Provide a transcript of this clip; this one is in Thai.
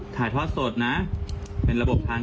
สวัสดีบ้าง